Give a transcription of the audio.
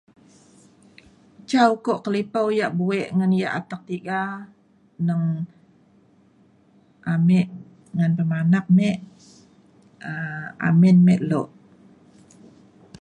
ca ukok kelipau yak buek ngan yak atek tiga neng ame ngan pemanak me um amin me lok